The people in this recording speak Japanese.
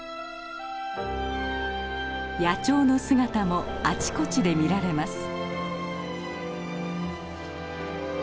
野鳥の姿もあちこちで見られます。